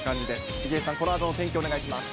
杉江さん、このあとの天気、お願いします。